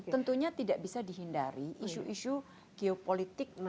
tentunya tidak bisa dihindari isu isu geopolitik pop up ya